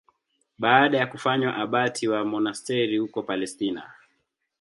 Baada ya kufanywa abati wa monasteri huko Palestina.